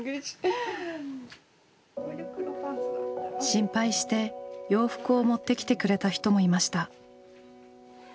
心配して洋服を持ってきてくれた人もいました。